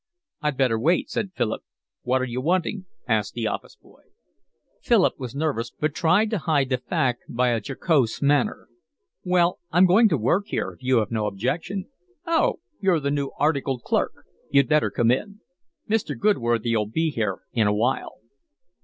"I'd better wait," said Philip. "What are you wanting?" asked the office boy. Philip was nervous, but tried to hide the fact by a jocose manner. "Well, I'm going to work here if you have no objection." "Oh, you're the new articled clerk? You'd better come in. Mr. Goodworthy'll be here in a while."